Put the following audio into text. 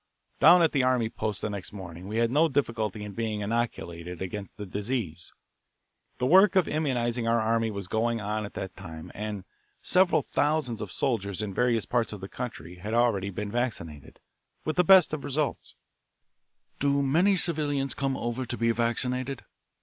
Down at the army post the next morning we had no difficulty in being inoculated against the disease. The work of immunising our army was going on at that time, and several thousands of soldiers in various parts of the country had already been vaccinated, with the best of results. "Do many civilians come over to be vaccinated?"